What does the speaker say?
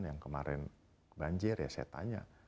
yang kemarin banjir ya saya tanya